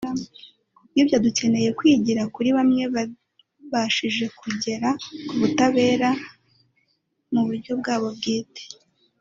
Kubw’ibyo dukeneye kwigira kuri bamwe babashije kugera ku butabera mu buryo bwabo bwite